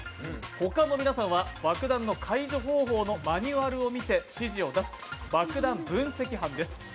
他の皆さんは爆弾の解除方法のマニュアルを見て指示を出す、爆弾分析班です。